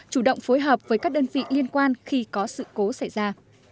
chủ động phối hợp với các đơn vị liên quan khi có sự cố xảy ra